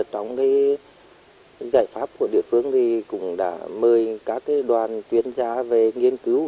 trong giải pháp của địa phương cũng đã mời các đoàn chuyên gia về nghiên cứu